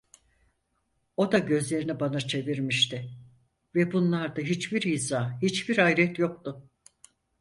O da gözlerini bana çevirmişti ve bunlarda hiçbir izah, hiçbir hayret yoktu.